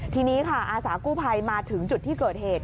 ทีนี้ค่ะอาสากู้ภัยมาถึงจุดที่เกิดเหตุ